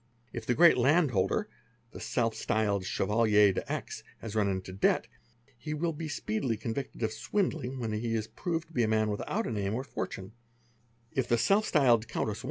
If the great land holder, he self styled " Chevalier de X. ', has run into debt, he will be speedily victed of swindling when he is proved to be a man without name or tune; if the self styled ' Countess Y.